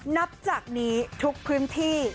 นับจากนี้ทุกพื้นที่